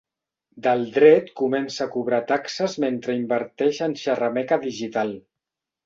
Del dret comença a cobrar taxes mentre inverteix en xerrameca digital.